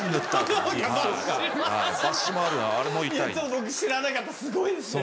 僕知らなかったすごいですね。